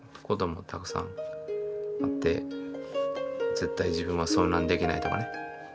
「絶対自分は遭難できない」とかね。